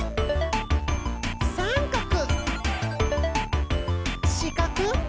さんかく！